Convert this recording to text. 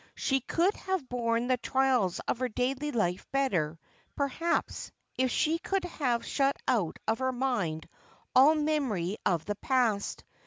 She could have borne the trials of her daily life better, per haps, if she could have shut out of her mind all memory of the past.